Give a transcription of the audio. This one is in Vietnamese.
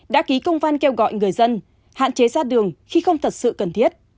đã ký công văn kêu gọi người dân hạn chế ra đường khi không thật sự cần thiết